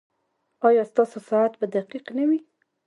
ایا ستاسو ساعت به دقیق نه وي؟